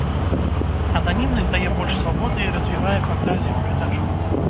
Ананімнасць дае больш свабоды і развівае фантазію ў чытачоў.